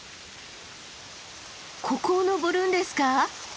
ここを登るんですか？